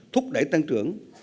thúc đẩy tăng trưởng